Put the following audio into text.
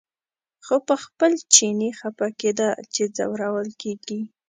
خو په خپل چیني خپه کېده چې ځورول کېږي.